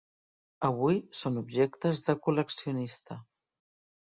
Avui són objectes de col·leccionista.